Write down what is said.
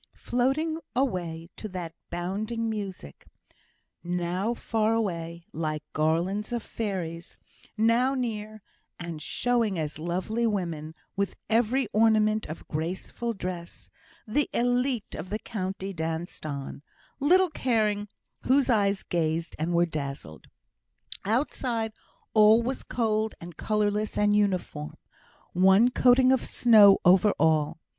Floating away to that bounding music now far away, like garlands of fairies, now near, and showing as lovely women, with every ornament of graceful dress the elite of the county danced on, little caring whose eyes gazed and were dazzled. Outside all was cold, and colourless, and uniform, one coating of snow over all.